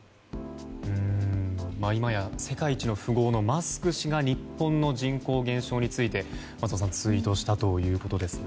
今や世界一の富豪のマスク氏が日本の人口減少について松尾さんツイートしたということですね。